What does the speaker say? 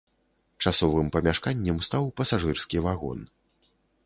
Часовым памяшканнем стаў пасажырскі вагон.